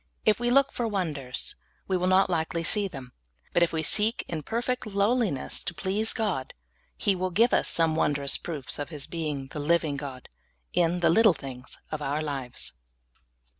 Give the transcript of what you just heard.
If we look for wonders, w^e will not likely see them, but if we seek in perfect lowliness to please God, He will give us some wondrous proofs of His being the living God in the little things of our lives.